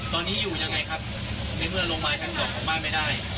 ตอนนี้อยู่ยังไงครับในเมื่อลงมาชั้นสองของบ้านไม่ได้